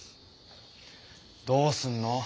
どうすんの？